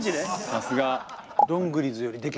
さすが。